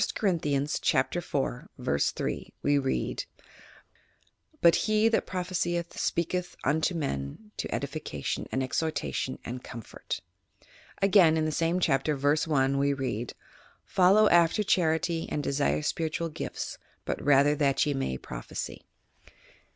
Corinthians, Chap. 14, v, 3, we read: "But he that prophesieth speaketh unto men to edification, and exhortation and comfort. '' Again, in the same Chapter, v. 1, we read: "Follow after charity and desire spiritual gifts, but rather that ye may proph esy."